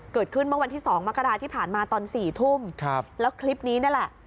เกิดขึ้นเมื่อวันที่๒มกราที่ผ่านมาตอน๔ทุ่มครับแล้วคลิปนี้นี่แหละ